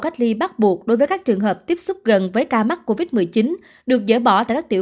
cách ly bắt buộc đối với các trường hợp tiếp xúc gần với ca mắc covid một mươi chín được dỡ bỏ tại các tiểu